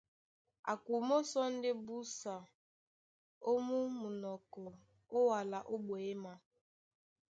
A kumó sɔ́ ndé busa ó mú munɔkɔ ó wala ó ɓwěma.